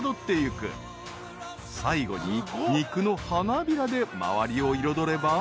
［最後に肉の花びらで周りを彩れば］